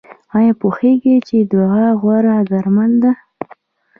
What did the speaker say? ایا پوهیږئ چې دعا غوره درمل ده؟